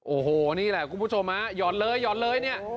โอ้โหนี่แหละคุณผู้ชมฮะหย่อนเลยหยอดเลยเนี่ย